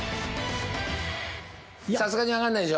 さすがにわかんないでしょ。